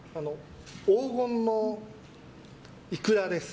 黄金のイクラです。